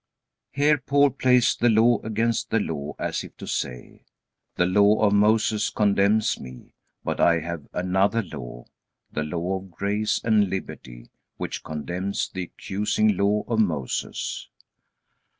Here Paul plays the Law against the Law, as if to say: "The Law of Moses condemns me; but I have another law, the law of grace and liberty which condemns the accusing Law of Moses."